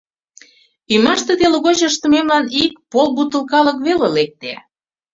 Ӱмаште теле гоч ыштымемлан ик полбутылкалык веле лекте.